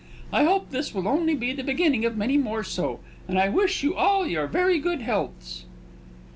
I hope this will be only the beginning of many more so; and I wish you all your very good healths!"